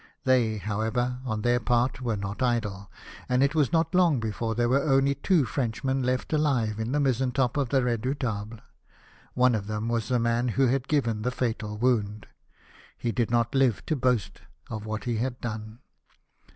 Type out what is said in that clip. They, however, on their part, were not idle ; and it was not long before there were only two Frenchmen left alive in the mizentop of the Redoubtable. One of them was the man who had given the fatal wound ; he did not live to boast of what he had done.